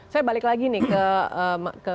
saya balik lagi nih ke